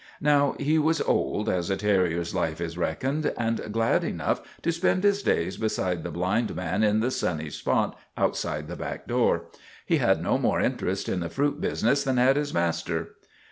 Now he was old, as a terriers life is reckoned, and glad enough to spend his days beside the blind man in the sunny spot outside the back door. He had no more interest in the fruit business than had his master.